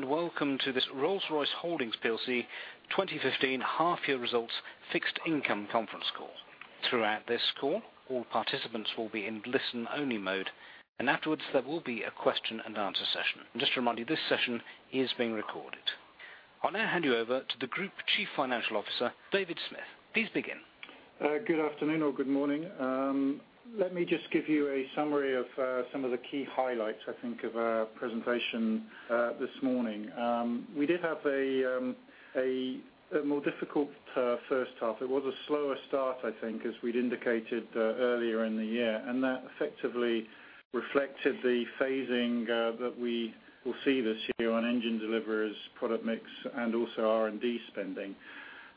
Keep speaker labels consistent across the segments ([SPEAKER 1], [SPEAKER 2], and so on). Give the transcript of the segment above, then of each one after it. [SPEAKER 1] Hello, and welcome to this Rolls-Royce Holdings PLC 2015 half year results fixed income conference call. Throughout this call, all participants will be in listen-only mode, and afterwards, there will be a question and answer session. Just a reminder, this session is being recorded. I'll now hand you over to the Group Chief Financial Officer, David Smith. Please begin.
[SPEAKER 2] Good afternoon or good morning. Let me just give you a summary of some of the key highlights, I think, of our presentation this morning. We did have a more difficult first half. It was a slower start, I think, as we'd indicated earlier in the year, and that effectively reflected the phasing that we will see this year on engine deliveries, product mix, and also R&D spending.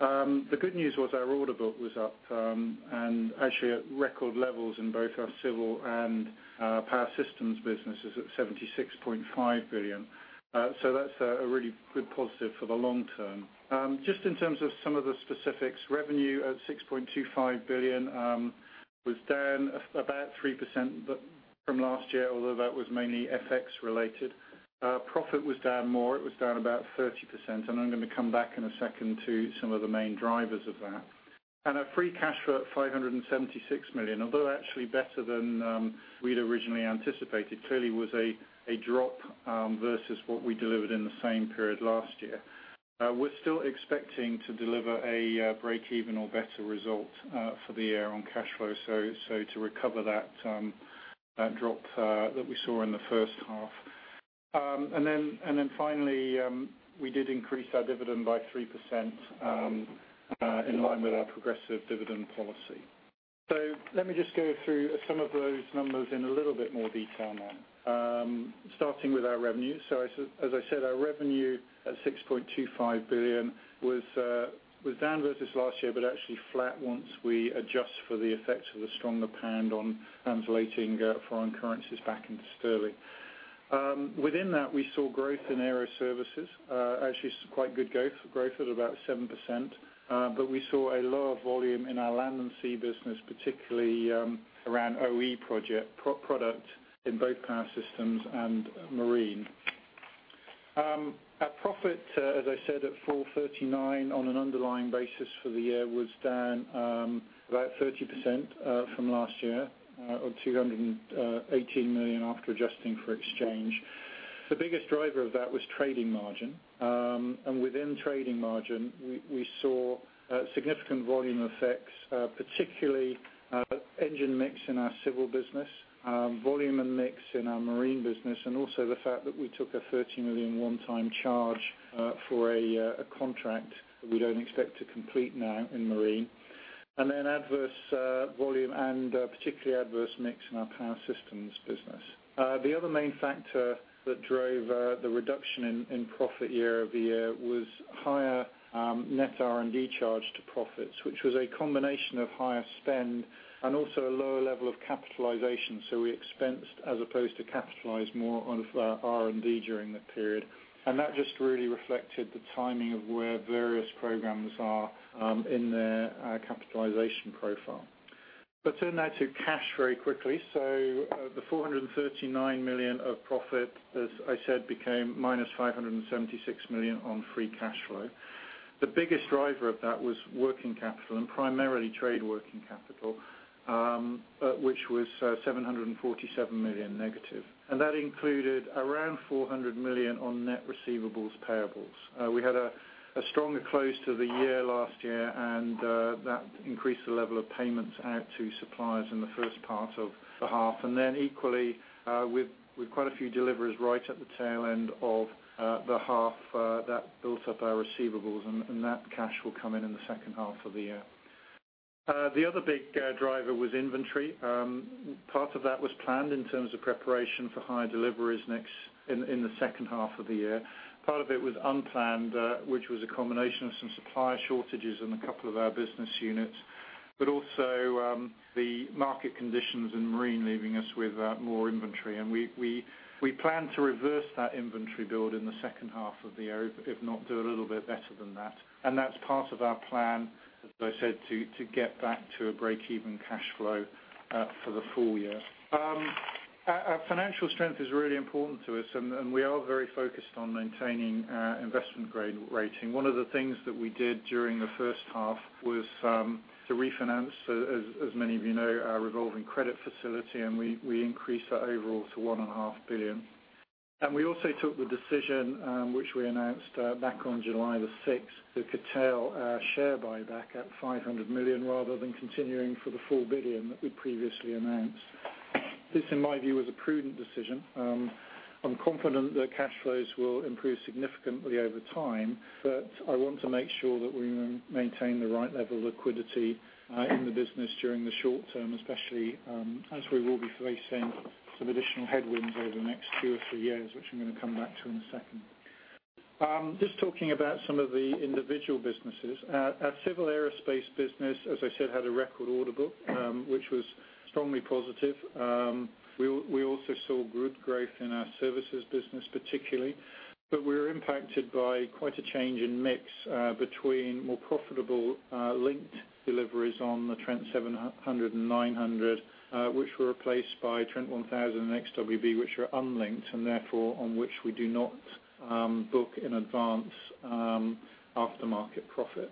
[SPEAKER 2] The good news was our order book was up, and actually at record levels in both our Civil and Power Systems businesses at 76.5 billion. That's a really good positive for the long term. Just in terms of some of the specifics, revenue at 6.25 billion was down about 3% from last year, although that was mainly FX related. Profit was down more. It was down about 30%. I'm going to come back in a second to some of the main drivers of that. Our free cash flow at 576 million, although actually better than we'd originally anticipated, clearly was a drop versus what we delivered in the same period last year. We're still expecting to deliver a break-even or better result for the year on cash flow, so to recover that drop that we saw in the first half. Then finally, we did increase our dividend by 3% in line with our progressive dividend policy. Let me just go through some of those numbers in a little bit more detail now. Starting with our revenue. As I said, our revenue at 6.25 billion was down versus last year, but actually flat once we adjust for the effects of the stronger pound on translating foreign currencies back into sterling. Within that, we saw growth in aero services, actually some quite good growth at about 7%, but we saw a lower volume in our Land and Sea business, particularly around OE product in both Power Systems and Marine. Our profit, as I said, at 439 on an underlying basis for the year, was down about 30% from last year, or 218 million after adjusting for exchange. The biggest driver of that was trading margin. Within trading margin, we saw significant volume effects, particularly engine mix in our Civil Aerospace business, volume and mix in our Marine business, also the fact that we took a 30 million one-time charge for a contract that we don't expect to complete now in Marine. Adverse volume and particularly adverse mix in our Power Systems business. The other main factor that drove the reduction in profit year-over-year was higher net R&D charge to profits, which was a combination of higher spend and also a lower level of capitalization. We expensed as opposed to capitalized more of our R&D during the period. That just really reflected the timing of where various programs are in their capitalization profile. Let's turn now to cash very quickly. The 439 million of profit, as I said, became minus 576 million on free cash flow. The biggest driver of that was working capital and primarily trade working capital, which was 747 million negative. That included around 400 million on net receivables/payables. We had a stronger close to the year last year, and that increased the level of payments out to suppliers in the first part of the half. Equally, with quite a few deliveries right at the tail end of the half, that built up our receivables, and that cash will come in the second half of the year. The other big driver was inventory. Part of that was planned in terms of preparation for higher deliveries in the second half of the year. Part of it was unplanned, which was a combination of some supplier shortages in a couple of our business units, but also the market conditions in Marine leaving us with more inventory. We plan to reverse that inventory build in the second half of the year, if not do a little bit better than that. That's part of our plan, as I said, to get back to a break-even cash flow for the full year. Our financial strength is really important to us, and we are very focused on maintaining our investment-grade rating. One of the things that we did during the first half was to refinance, as many of you know, our revolving credit facility, and we increased that overall to 1.5 billion. We also took the decision, which we announced back on July 6, to curtail our share buyback at 500 million rather than continuing for the 4 billion that we previously announced. This, in my view, was a prudent decision. I'm confident that cash flows will improve significantly over time, but I want to make sure that we maintain the right level of liquidity in the business during the short term, especially as we will be facing some additional headwinds over the next two or three years, which I'm going to come back to in a second. Just talking about some of the individual businesses. Our Civil Aerospace business, as I said, had a record order book, which was strongly positive. We also saw good growth in our services business particularly, but we were impacted by quite a change in mix between more profitable linked deliveries on the Trent 700 and 900, which were replaced by Trent 1000 and XWB, which are unlinked and therefore on which we do not book in advance aftermarket profit.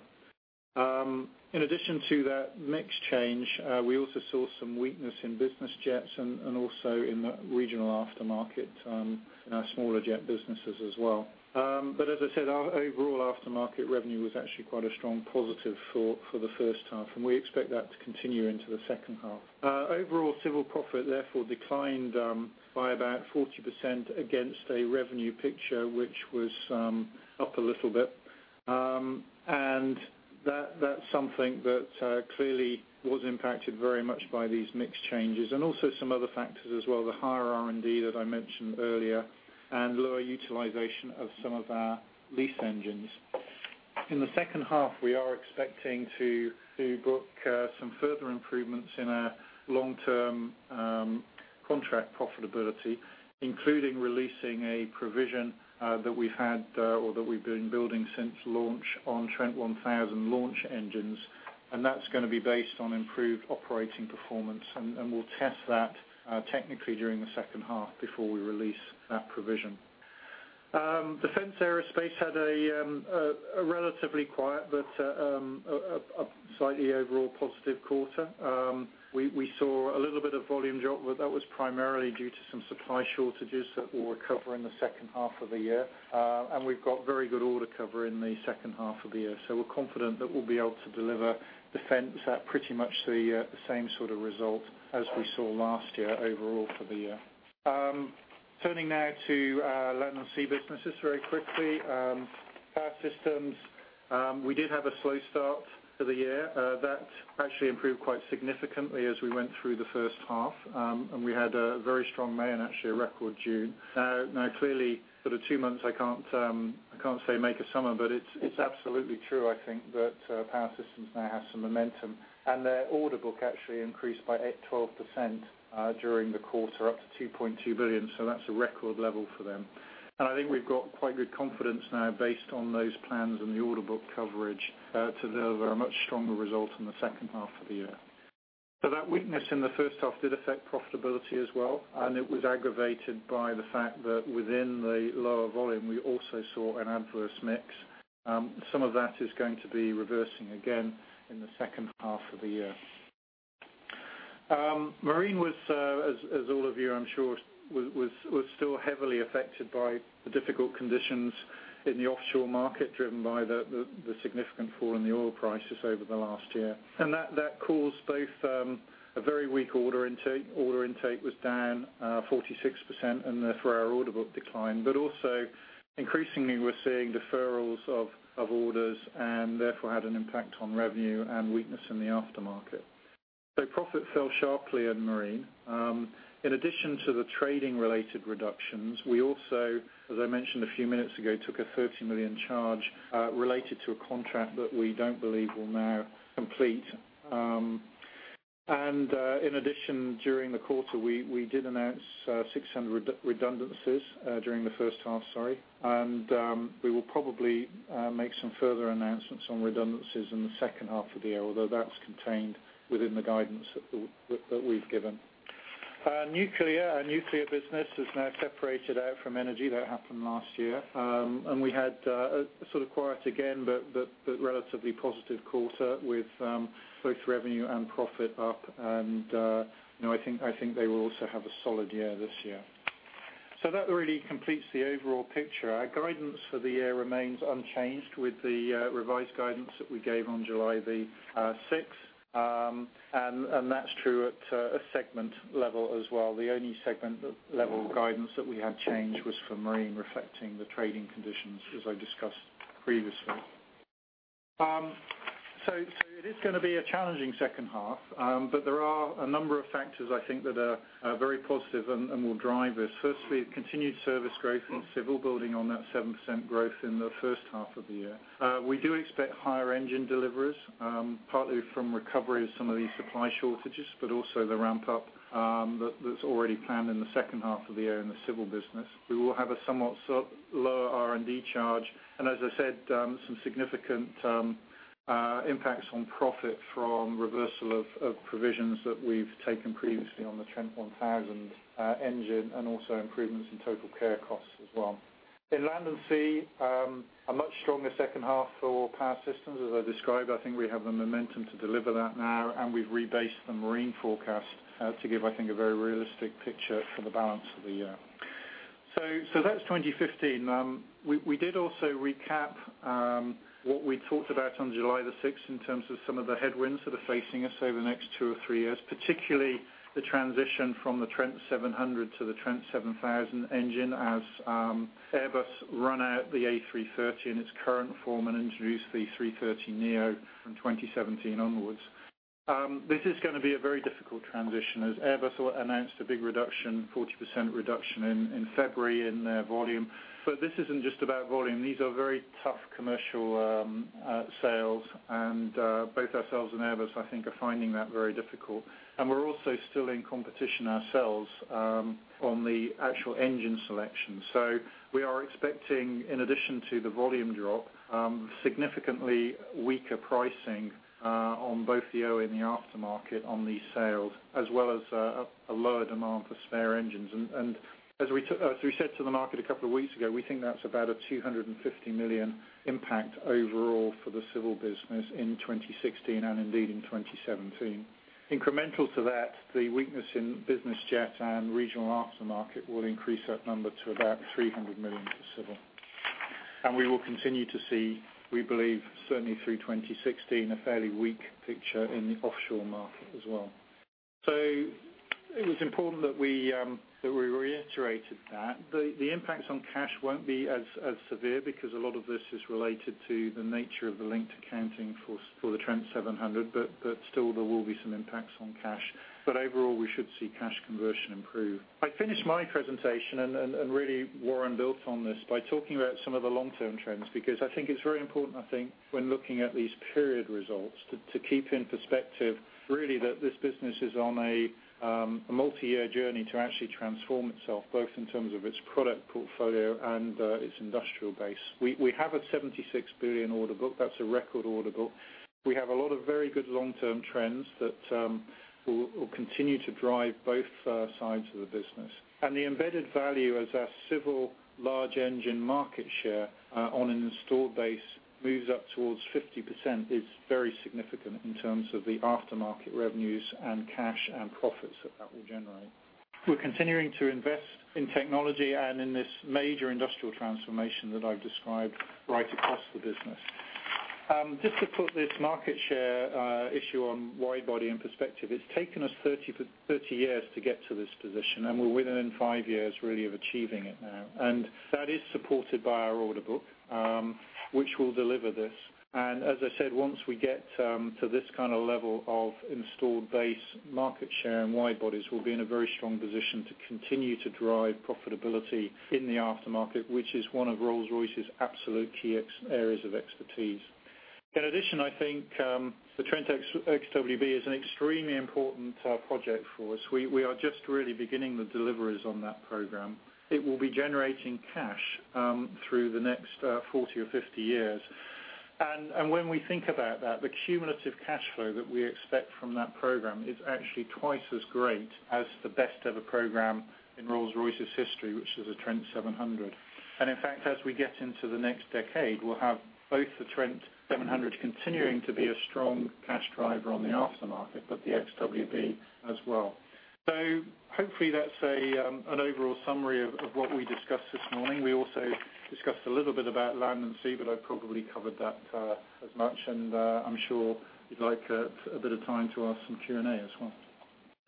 [SPEAKER 2] In addition to that mix change, we also saw some weakness in business jets and also in the regional aftermarket in our smaller jet businesses as well. As I said, our overall aftermarket revenue was actually quite a strong positive for the first half, and we expect that to continue into the second half. Overall Civil profit, therefore, declined by about 40% against a revenue picture which was up a little bit. That's something that clearly was impacted very much by these mix changes and also some other factors as well, the higher R&D that I mentioned earlier, and lower utilization of some of our lease engines. In the second half, we are expecting to book some further improvements in our long-term contract profitability, including releasing a provision that we've had or that we've been building since launch on Trent 1000 launch engines, that's going to be based on improved operating performance. We'll test that technically during the second half before we release that provision. Defense Aerospace had a relatively quiet, but a slightly overall positive quarter. We saw a little bit of volume drop, but that was primarily due to some supply shortages that we'll recover in the second half of the year. We've got very good order cover in the second half of the year. We're confident that we'll be able to deliver Defense at pretty much the same sort of result as we saw last year overall for the year. Turning now to Land and Sea businesses very quickly. Power Systems, we did have a slow start to the year. That actually improved quite significantly as we went through the first half, we had a very strong May and actually a record June. Clearly for the two months, I can't say make a summer, it's absolutely true, I think, that Power Systems now has some momentum. Their order book actually increased by 12% during the quarter up to 2.2 billion, that's a record level for them. I think we've got quite good confidence now based on those plans and the order book coverage to deliver a much stronger result in the second half of the year. That weakness in the first half did affect profitability as well, it was aggravated by the fact that within the lower volume, we also saw an adverse mix. Some of that is going to be reversing again in the second half of the year. Marine was, as all of you, I'm sure, was still heavily affected by the difficult conditions in the offshore market, driven by the significant fall in the oil prices over the last year. That caused both a very weak order intake, order intake was down 46% and therefore our order book declined, also increasingly we're seeing deferrals of orders and therefore had an impact on revenue and weakness in the aftermarket. Profit fell sharply in Marine. In addition to the trading-related reductions, we also, as I mentioned a few minutes ago, took a 30 million charge related to a contract that we don't believe will now complete. In addition, during the quarter, we did announce 600 redundancies during the first half, sorry. We will probably make some further announcements on redundancies in the second half of the year, although that's contained within the guidance that we've given. Nuclear. Our Nuclear business is now separated out from Energy. That happened last year. We had a sort of quiet again, but relatively positive quarter with both revenue and profit up. I think they will also have a solid year this year. That really completes the overall picture. Our guidance for the year remains unchanged with the revised guidance that we gave on July 6th, and that's true at a segment level as well. The only segment level guidance that we had changed was for Marine, reflecting the trading conditions as I discussed previously. It is going to be a challenging second half, but there are a number of factors I think that are very positive and will drive this. Firstly, continued service growth in Civil, building on that 7% growth in the first half of the year. We do expect higher engine deliveries, partly from recovery of some of these supply shortages, but also the ramp-up that's already planned in the second half of the year in the Civil business. We will have a somewhat lower R&D charge, and as I said, some significant impacts on profit from reversal of provisions that we've taken previously on the Trent 1000 engine and also improvements in TotalCare costs as well. In Land and Sea, a much stronger second half for Power Systems, as I described. I think we have the momentum to deliver that now, and we've rebased the Marine forecast to give, I think, a very realistic picture for the balance of the year. That's 2015. We did also recap what we talked about on July 6th in terms of some of the headwinds that are facing us over the next two or three years, particularly the transition from the Trent 700 to the Trent 7000 engine as Airbus run out the A330 in its current form and introduce the A330neo from 2017 onwards. This is going to be a very difficult transition, as Airbus announced a big reduction, 40% reduction in February in their volume. This isn't just about volume. These are very tough commercial sales, and both ourselves and Airbus, I think, are finding that very difficult. We're also still in competition ourselves on the actual engine selection. We are expecting, in addition to the volume drop, significantly weaker pricing on both the OE and the aftermarket on these sales, as well as a lower demand for spare engines. As we said to the market a couple of weeks ago, we think that's about a 250 million impact overall for the Civil business in 2016 and indeed in 2017. Incremental to that, the weakness in business jet and regional aftermarket will increase that number to about 300 million for Civil. We will continue to see, we believe, certainly through 2016, a fairly weak picture in the offshore market as well. It was important that we reiterated that. The impacts on cash won't be as severe because a lot of this is related to the nature of the linked accounting for the Trent 700, but still there will be some impacts on cash. Overall, we should see cash conversion improve. I finished my presentation. Warren built on this by talking about some of the long-term trends. It is very important when looking at these period results to keep in perspective that this business is on a multi-year journey to actually transform itself, both in terms of its product portfolio and its industrial base. We have a 76 billion order book. That is a record order book. We have a lot of very good long-term trends that will continue to drive both sides of the business. The embedded value as our Civil Aerospace large engine market share on an installed base moves up towards 50% is very significant in terms of the aftermarket revenues and cash and profits that that will generate. We are continuing to invest in technology and in this major industrial transformation that I have described right across the business. Just to put this market share issue on widebody in perspective, it has taken us 30 years to get to this position. We are within five years of achieving it now. That is supported by our order book, which will deliver this. As I said, once we get to this kind of level of installed base market share in widebodies, we will be in a very strong position to continue to drive profitability in the aftermarket, which is one of Rolls-Royce's absolute key areas of expertise. In addition, the Trent XWB is an extremely important project for us. We are just beginning the deliveries on that program. It will be generating cash through the next 40 or 50 years. When we think about that, the cumulative cash flow that we expect from that program is actually twice as great as the best ever program in Rolls-Royce's history, which is the Trent 700. In fact, as we get into the next decade, we will have both the Trent 700 continuing to be a strong cash driver on the aftermarket, but the XWB as well. Hopefully that is an overall summary of what we discussed this morning. We also discussed a little bit about Land and Sea. I probably covered that as much. I am sure you would like a bit of time to ask some Q&A as well.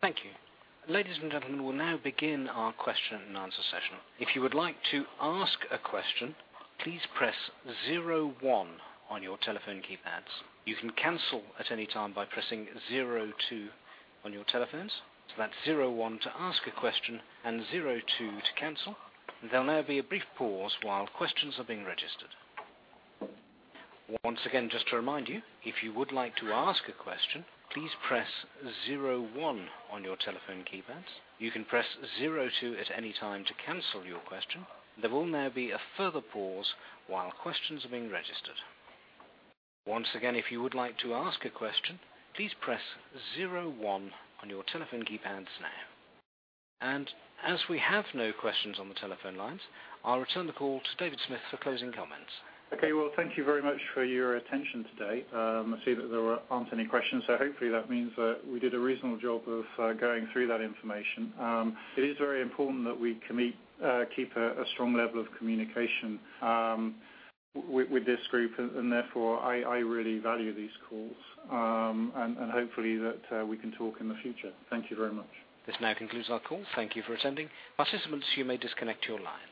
[SPEAKER 1] Thank you. Ladies and gentlemen, we will now begin our question and answer session. If you would like to ask a question, please press 01 on your telephone keypads. You can cancel at any time by pressing 02 on your telephones. That is 01 to ask a question and 02 to cancel. There will now be a brief pause while questions are being registered. Once again, just to remind you, if you would like to ask a question, please press 01 on your telephone keypads. You can press 02 at any time to cancel your question. There will now be a further pause while questions are being registered. Once again, if you would like to ask a question, please press 01 on your telephone keypads now. As we have no questions on the telephone lines, I will return the call to David Smith for closing comments.
[SPEAKER 2] Okay. Well, thank you very much for your attention today. I see that there aren't any questions, so hopefully that means that we did a reasonable job of going through that information. It is very important that we keep a strong level of communication with this group, and therefore I really value these calls. Hopefully that we can talk in the future. Thank you very much.
[SPEAKER 1] This now concludes our call. Thank you for attending. Participants, you may disconnect your lines.